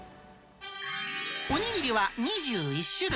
お握りは２１種類。